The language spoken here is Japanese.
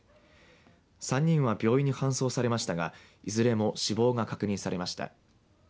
３人は病院に搬送されましたがいずれも死亡が確認されました。